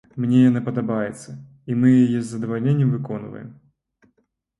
Мне яна падабаецца, і мы яе з задавальненнем выконваем.